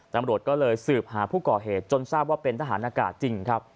ตำรวจก็เลยสืบหาผู้ก่อเหตุจนทราบว่าเป็นทหารอากาศจริงครับ